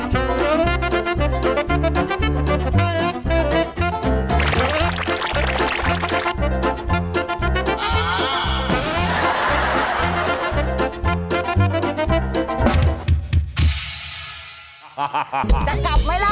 จะกลับไหมล่ะ